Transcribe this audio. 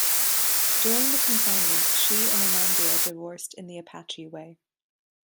During the confinement she and Ahnandia divorced in the "Apache way".